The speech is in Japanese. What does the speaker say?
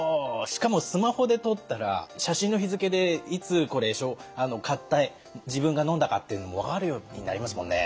しかもスマホで撮ったら写真の日付でいつこれ買った自分がのんだかっていうのも分かるようになりますもんね。